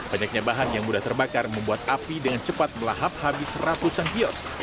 banyaknya bahan yang mudah terbakar membuat api dengan cepat melahap habis ratusan kios